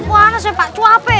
wah saya pak cuape